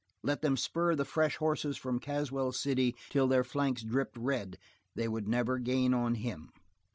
Let them spur the fresh horses from Caswell City till their flanks dripped red, they would never gain on him.